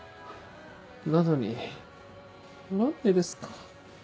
なのに何でですか？